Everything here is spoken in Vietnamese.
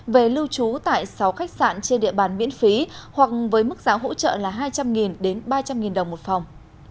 về lưu trú tại sáu khách sạn trên địa bàn miễn phí hoặc với mức giá hỗ trợ là hai trăm linh đến ba trăm linh đồng một phòng